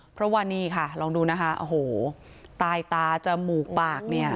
เพราะว่านี่ค่ะลองดูนะคะโอ้โหตายตาจมูกปากเนี่ย